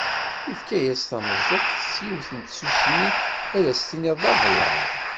Yefka-as tameẓẓuɣt s yiwet n tsusmi ad as-tiniḍ d ablaḍ.